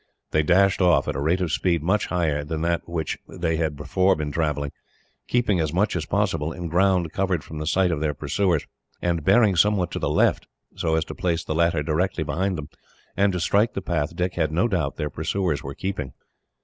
They dashed off, at a rate of speed much higher than that at which they had before been travelling; keeping, as much as possible, in ground covered from the sight of their pursuers; and bearing somewhat to the left, so as to place the latter directly behind them, and to strike the path Dick had no doubt their pursuers were keeping.